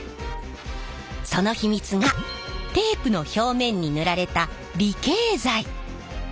その秘密がテープの表面に塗られた離型剤。